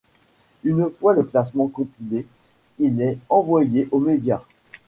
Une fois le classement compilé, il est envoyé aux médias.